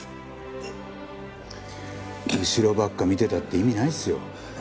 後ろばっか見てたって意味ないですよ。